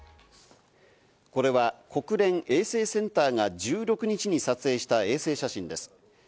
これは国連衛星センターが１６日に撮影した衛星写真です。